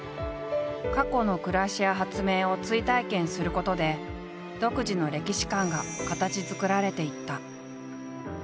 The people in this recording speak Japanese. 過去の暮らしや発明を追体験することで独自の歴史観が形づくられていった。